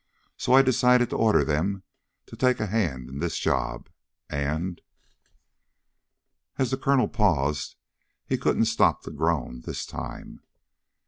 So I decided to order them to take a hand in this job. And " As the colonel paused he couldn't stop the groan this time.